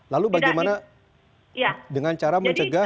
lalu bagaimana dengan cara mencegah